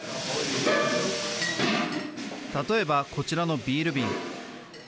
例えば、こちらのビール瓶。